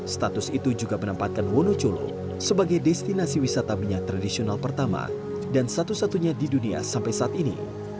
status itu juga menempatkan wonocolo sebagai destinasi wisata minyak tradisional pertama dan satu satunya di dunia sampai saat ini